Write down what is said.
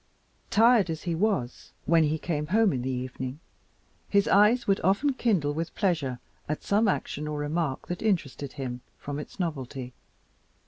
Tired as he was when he came home in the evening, his eyes would often kindle with pleasure at some action or remark that interested him from its novelty.